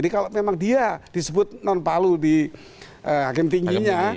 kalau disebut non palu di hakim tingginya